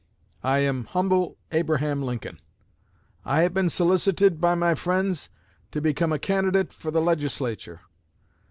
I am humble Abraham Lincoln. I have been solicited by my friends to become a candidate for the Legislature.